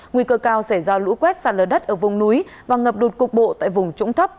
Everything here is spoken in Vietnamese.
nguy cơ cao sẽ ra lũ quét xa lờ đất ở vùng núi và ngập đột cục bộ tại vùng trũng thấp